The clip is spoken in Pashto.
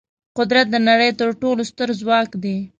قدرت د نړۍ تر ټولو ستر ځواک دی.